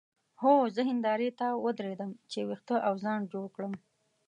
هو زه هندارې ته ودرېدم چې وېښته او ځان جوړ کړم.